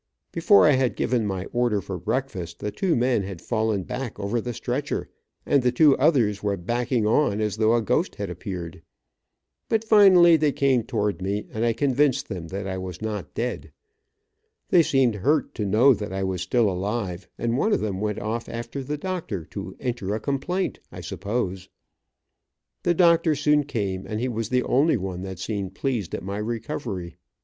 Before I had given my order for breakfast, the two men had fallen back over the stretcher and the two others were backing on as though a ghost had appeared. But finally they came toward me and I convinced them that I was not dead. They seemed hurt to know that I was still alive, and one of them went off after the doctor, to enter a complaint, I supposed. The doctor soon came and he was the only one that seemed pleased at my recovery.